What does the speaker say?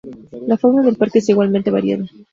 La fauna del parque es igualmente variada.